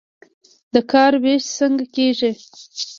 د کار ویش څنګه کیږي؟